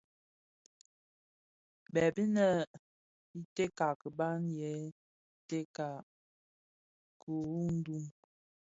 Bêp inê i tèka kibàm yêê tèka kurundùng.